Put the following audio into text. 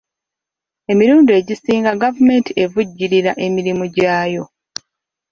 Emirundi egisinga gavumenti evujjirira emirimu gyayo.